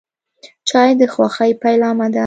چای د خوښۍ پیلامه ده.